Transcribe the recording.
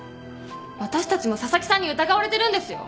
私たちも紗崎さんに疑われてるんですよ？